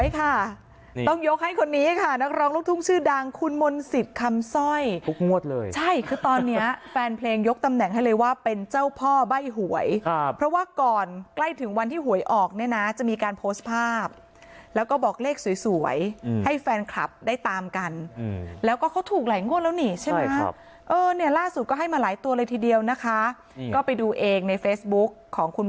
คำสร้อยทุกงวดเลยใช่คือตอนเนี้ยแฟนเพลงยกตำแหน่งให้เลยว่าเป็นเจ้าพ่อใบ้หวยครับเพราะว่าก่อนใกล้ถึงวันที่หวยออกเนี้ยนะจะมีการโพสต์ภาพแล้วก็บอกเลขสวยสวยอืมให้แฟนคลับได้ตามกันอืมแล้วก็เขาถูกหลายงวดแล้วหนีใช่ไหมครับเออเนี้ยล่าสุดก็ให้มาหลายตัวเลยทีเดียวนะคะอืมก็ไปดูเองในเฟสบุ๊คของ